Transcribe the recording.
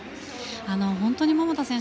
本当に桃田選手